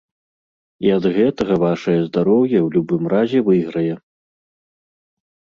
І ад гэтага вашае здароўе ў любым разе выйграе.